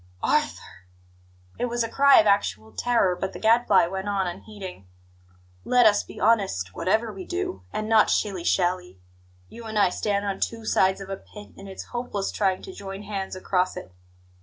"Arthur!" It was a cry of actual terror; but the Gadfly went on, unheeding: "Let us be honest, whatever we do, and not shilly shally. You and I stand on two sides of a pit, and it's hopeless trying to join hands across it.